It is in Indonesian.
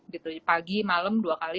gitu pagi malam dua kali